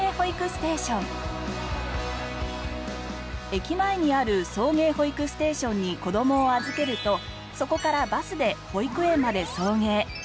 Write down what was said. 駅前にある送迎保育ステーションに子どもを預けるとそこからバスで保育園まで送迎。